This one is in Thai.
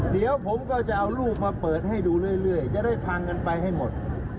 เดี๋ยวผมก็จะเอารูปมาเปิดให้ดูเรื่อยจะได้พังกันไปให้หมด